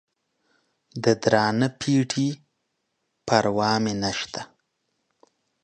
د درانه پېټي پروا مې نسته.